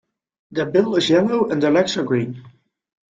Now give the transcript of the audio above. Their bill is yellow and their legs are green.